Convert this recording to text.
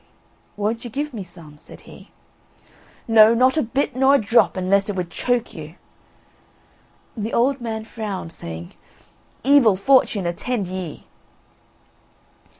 "Won't you give me some?" said he. "No, not a bit, nor a drop, unless it would choke you." The old man frowned, saying: "Evil fortune attend ye!"